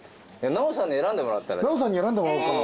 奈緒さんに選んでもらおうかな。